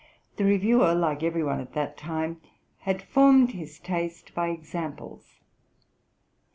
The reviewer, like every one at that time, had formed his taste by examples.